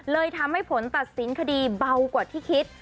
เลยทำให้ผลตัดสินคดีเบากว่าที่คิด